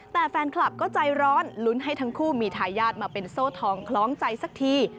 แต่แฟนคลับก็ใจร้อนลุ้นให้ทั้งคู่มีทายาทมาเป็นโซ่ทองคล้องใจสักที